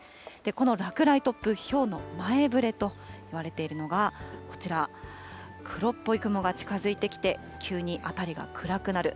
この落雷、突風、ひょうの前触れといわれているのが、こちら、黒っぽい雲が近づいてきて、急に辺りが暗くなる。